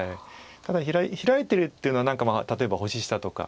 ただヒラいてるっていうのは何か例えば星下とか。